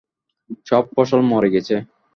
সব ফসল মরে গেছে?